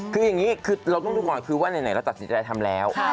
คืออย่างนี้คือเราต้องดูก่อนคือว่าไหนเราตัดสินใจทำแล้ว